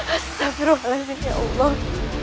astagfirullahaladzim ya allah